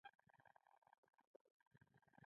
ملګرتیا